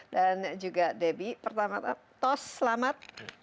dan juga debbie pertama tos selamat